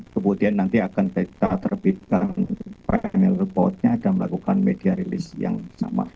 kemudian nanti akan kita terbitkan peranel boatnya dan melakukan media rilis yang sama